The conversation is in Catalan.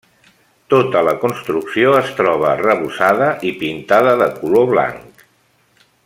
Tota la construcció es troba arrebossada i pintada de color blanc.